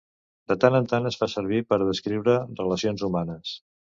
De tant en tant es fa servir per a descriure relacions humanes.